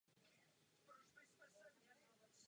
Evropa může být první ekonomikou nízkouhlíkového věku.